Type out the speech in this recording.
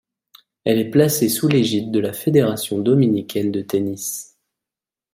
Elle est placée sous l'égide de la Fédération dominicaine de tennis.